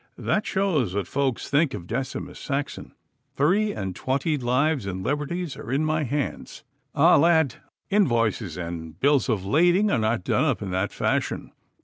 'That shows what folk think of Decimus Saxon. Three and twenty lives and liberties are in my hands. Ah, lad, invoices and bills of lading are not done up in that fashion.